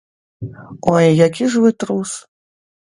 Ой, які ж вы трус!